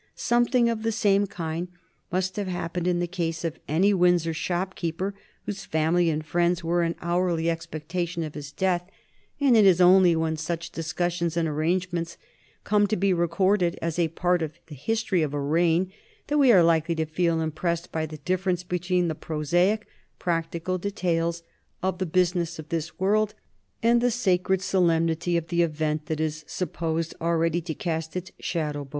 Something of the same kind must have happened in the case of any Windsor shopkeeper whose family and friends were in hourly expectation of his death, and it is only when such discussions and arrangements come to be recorded as a part of the history of a reign that we are likely to feel impressed by the difference between the prosaic, practical details of the business of this world and the sacred solemnity of the event that is supposed already to cast its shadow before.